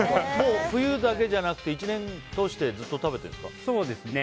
冬だけじゃなくて１年通してずっと食べてるんですか。